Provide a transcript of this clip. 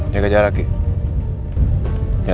jaga jarak ya